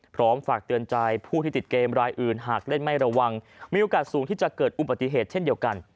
พร้อมฝากเตือนใจผู้ที่ติดเกมรายอื่นหากเล่นไม่ระวังมีโอกาสสูงที่จะเกิดอุบัติเหตุเช่นเดียวกัน